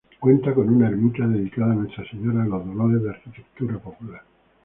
Cuenta con una ermita dedicada a Nuestra Señora de los Dolores, de arquitectura popular.